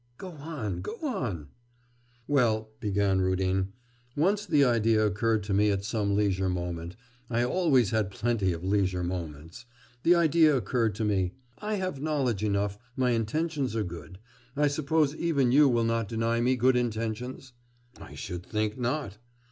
'Go on, go on.' 'Well,' began Rudin, 'once the idea occurred to me at some leisure moment I always had plenty of leisure moments the idea occurred to me; I have knowledge enough, my intentions are good. I suppose even you will not deny me good intentions?' 'I should think not!